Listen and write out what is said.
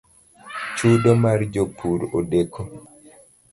Chudo mar jopur odeko